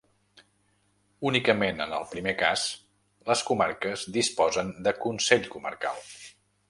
Únicament en el primer cas, les comarques disposen de consell comarcal.